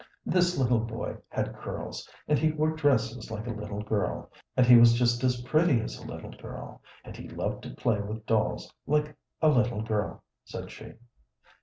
"This little boy had curls, and he wore dresses like a little girl, and he was just as pretty as a little girl, and he loved to play with dolls like a little girl," said she.